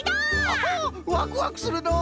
アハワクワクするのう！